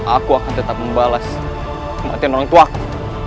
aku akan tetap membalas kematian orang tuaku